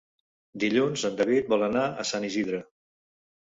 Dilluns en David vol anar a Sant Isidre.